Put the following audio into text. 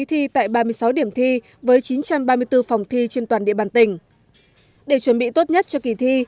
thi tại ba mươi sáu điểm thi với chín trăm ba mươi bốn phòng thi trên toàn địa bàn tỉnh để chuẩn bị tốt nhất cho kỳ thi